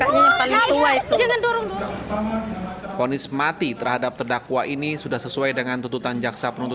dua menyatakan pidana terhadap terdakwa beni soekarno bin bambang soekarno dengan pidana mati